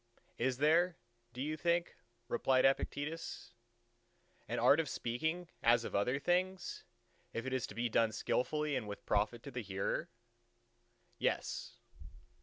"Is there, do you think," replied Epictetus, "an art of speaking as of other things, if it is to be done skilfully and with profit to the hearer?" "Yes."